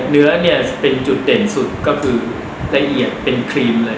เนื้อเนี่ยเป็นจุดเด่นสุดก็คือละเอียดเป็นครีมเลย